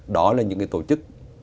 đó là những cái tổ chức